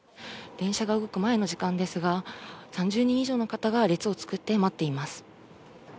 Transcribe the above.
電車が動く前の時間ですが、３０人以上の方が列を作って待っています。